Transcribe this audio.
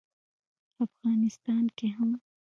افغانستان کې هم